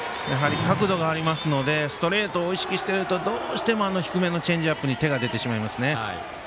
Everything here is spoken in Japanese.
やはり角度がありますのでストレートを意識しているとどうしても低めのチェンジアップに手が出てしまいますね。